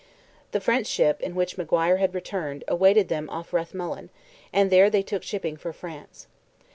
The French ship, in which Maguire had returned, awaited them off Rathmullen, and there they took shipping for France.